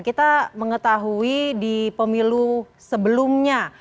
kita mengetahui di pemilu sebelumnya